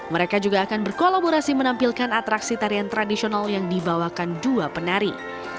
mereka juga akan berkolaborasi menampilkan atraksi tarian tradisional yang dibawakan dua penari